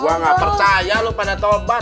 gua nggak percaya lu pada toba